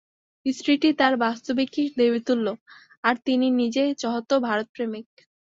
স্ত্রীটি তাঁর বাস্তবিকই দেবীতুল্য, আর তিনি নিজে যথার্থ ভারতপ্রেমিক।